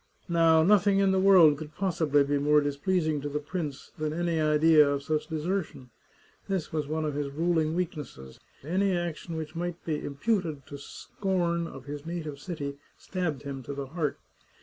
Now, nothing in the world could possibly be more displeasing to the prince than any idea of such desertion. This was one of his ruling weaknesses — any action which might be imputed to scorn of his native city stabbed him to the heart.